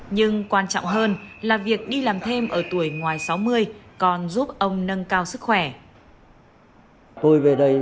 nhưng quan trọng hơn là việc đi làm thêm ở tuổi ngoài sáu mươi còn giúp ông nâng cao sức khỏe